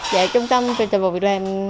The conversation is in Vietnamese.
dạ trung tâm truyền thông về việc làm